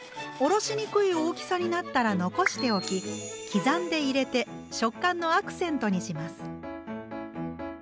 おろしにくい大きさになったら残しておき刻んで入れて食感のアクセントにします。